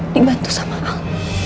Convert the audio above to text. dibantu sama al